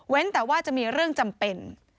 แต่ว่าจะมีเรื่องจำเป็น